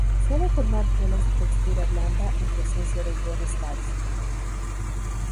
Suele formar geles de textura blanda en presencia de iones calcio.